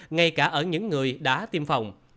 ngay cả ở những người đã tiêm phòng